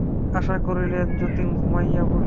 আশা করিলেন, যতীন ঘুমাইয়া পড়িবে।